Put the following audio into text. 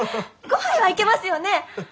５杯はいけますよね？